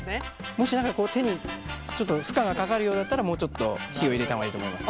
もし何か手に負荷が掛かるようだったらもうちょっと火を入れた方がいいと思います。